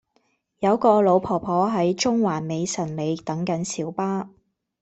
有個老婆婆喺中環美臣里等緊小巴